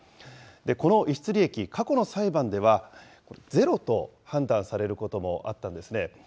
この逸失利益、過去の裁判では、ゼロと判断されることもあったんですね。